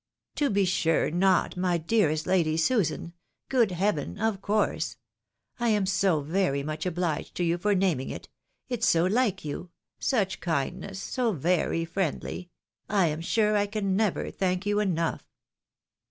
." To be sure not, my dearest Lady Susan ! Good heaven ! of course I I am so very much obliged to you for naming it ! it's so like you ! such kindness ! so very friendly ! I am sure I can never thank you enough